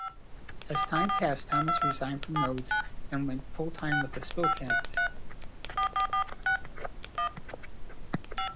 As time passed, Thomas resigned from Nodes, and went full-time with The Spill Canvas.